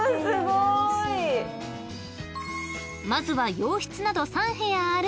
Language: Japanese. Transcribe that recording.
［まずは洋室など３部屋ある］